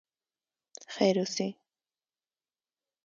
خیر اوسې.